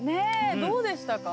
どうでしたか？